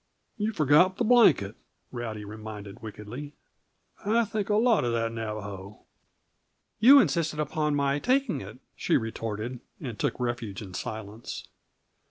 "You forgot the blanket," Rowdy reminded wickedly. "I think a lot of that Navajo." "You insisted upon my taking it," she retorted, and took refuge in silence.